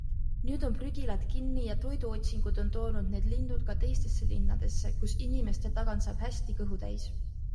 Nüüd on prügilad kinni ja toiduotsingud on toonud need linnud ka teistesse linnadesse, kus inimeste tagant saab hästi kõhu täis.